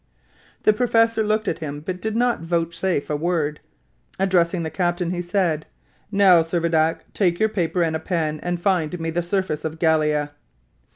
The professor looked at him, but did not vouchsafe a word. Addressing the captain, he said, "Now, Servadac, take your paper and a pen, and find me the surface of Gallia."